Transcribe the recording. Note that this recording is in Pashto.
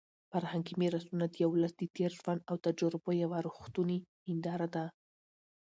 فرهنګي میراثونه د یو ولس د تېر ژوند او تجربو یوه رښتونې هنداره ده.